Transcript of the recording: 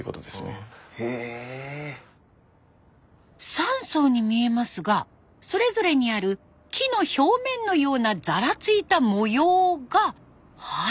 三層に見えますがそれぞれにある木の表面のようなざらついた模様が「肌」。